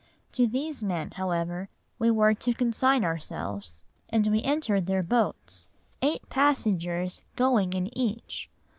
To these men, however, we were to consign ourselves, and we entered their boats, eight passengers going in each.